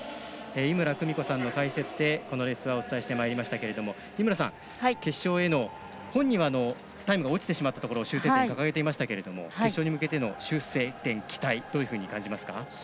井村久美子さんの解説でこのレースはお伝えしてまいりましたけど決勝への本人はタイムが落ちてしまったところ修正点に挙げていましたけれども決勝に向けての修正点、期待どのように感じますか。